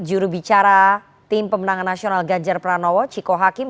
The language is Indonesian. juru bicara tim pemenangan nasional ganjar pranowo ciko hakim